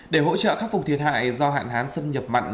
để hỗ trợ khắc phục thiệt hại do hạn hán xâm nhập mặn